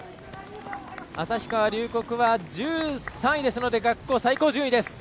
旭川龍谷は１３位ですので学校最高順位です。